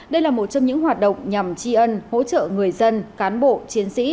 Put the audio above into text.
đây là một trong những hoạt động nhằm tri ân hỗ trợ người dân cán bộ chiến sĩ